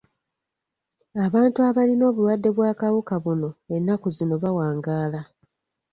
Abantu abalina obuwadde bw'akawuka buno ennaku zino bawangaala.